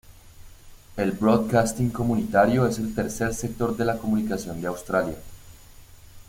El broadcasting comunitario es el tercer sector de la comunicación de Australia.